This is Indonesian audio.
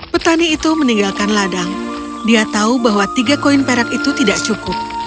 petani itu meninggalkan ladang dia tahu bahwa tiga koin perak itu tidak cukup